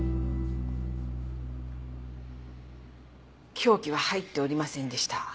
凶器は入っておりませんでした。